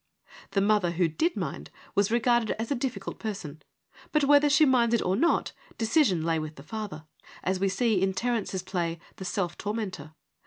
The mother who did mind was regarded as a difficult person, but whether she minded or not, decision lay with the father — as we see in Terence's play, The Self Tormentor.